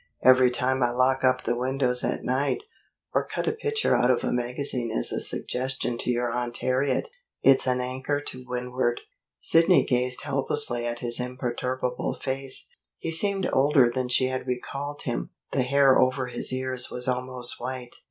Every time I lock up the windows at night, or cut a picture out of a magazine as a suggestion to your Aunt Harriet, it's an anchor to windward." Sidney gazed helplessly at his imperturbable face. He seemed older than she had recalled him: the hair over his ears was almost white.